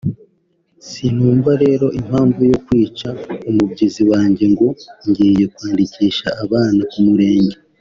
sinumva rero impamvu yo kwica umubyizi wanjye ngo ngiye kwandikisha abana ku murenge